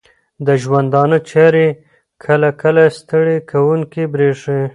د ژوندانه چارې کله کله ستړې کوونکې بریښې